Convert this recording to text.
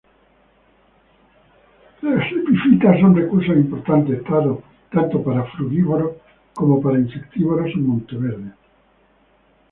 Las epífitas son recursos importantes, tanto para frugívoros como para insectívoros en Monteverde.